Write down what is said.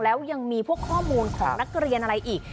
แล้วยังมีพวกข้อมูลของนักเรียนอะไรอีก